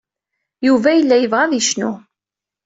Yuba yella yebɣa ad yecnu.